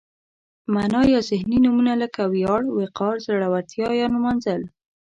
معنا یا ذهني نومونه لکه ویاړ، وقار، زړورتیا یا نمانځل.